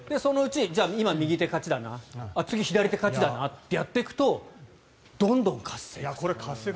今、右が勝ちだな次、左が勝ちだなとやっていくとどんどん活性化される。